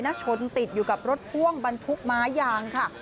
ชนติดอยู่กับรถพ่วงบรรทุกไม้ยางค่ะ